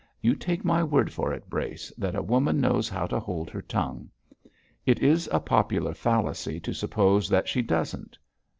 You take my word for it, Brace, that a woman knows how to hold her tongue. It is a popular fallacy to suppose that she doesn't.